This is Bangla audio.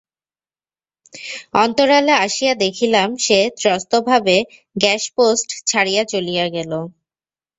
অন্তরালে আসিয়া দেখিলাম, সে ত্রস্তভাবে গ্যাসপোস্ট ছাড়িয়া চলিয়া গেল।